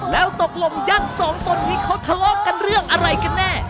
แล้วตกลงยักษ์สองตนนี้เขาทะเลาะกันเรื่องอะไรกันแน่